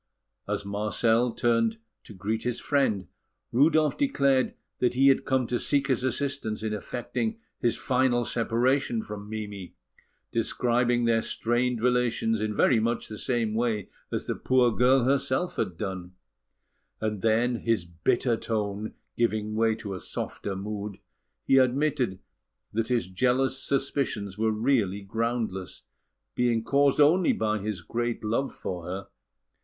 As Marcel turned to greet his friend, Rudolf declared that he had come to seek his assistance in effecting his final separation from Mimi, describing their strained relations in very much the same way as the poor girl herself had done; and then, his bitter tone giving way to a softer mood, he admitted that his jealous suspicions were really groundless, being caused only by his great love for her.